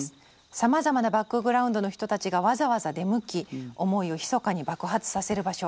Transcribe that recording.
「さまざまなバックグラウンドの人たちがわざわざ出向き思いをひそかに爆発させる場所。